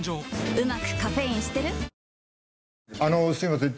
あのすみません。